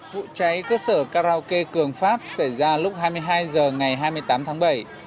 vụ cháy cơ sở karaoke cường pháp xảy ra lúc hai mươi hai h ngày hai mươi tám tháng bảy